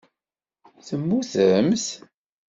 Temmutemt?